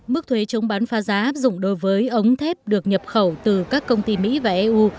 mức thuế chống bán phá giá áp dụng đối với ống thép được nhập khẩu từ các công ty mỹ và eu